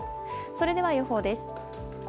それでは予報です。